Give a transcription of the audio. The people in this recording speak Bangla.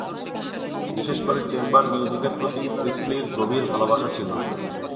বিশেষ করে চেম্বার মিউজিকের প্রতি প্রিস্টলির গভীর ভালবাসা ছিল।